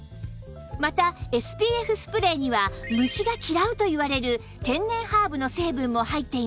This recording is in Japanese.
また ＳＰＦ スプレーには虫が嫌うといわれる天然ハーブの成分も入っています